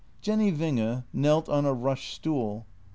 Jenny Winge knelt on a rush stood.